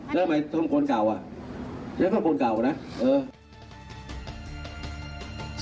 เธอไม่รู้จักทั้งหมดเก่าอ่ะรู้จักทั้งหมดเก่าอ่ะนะเออ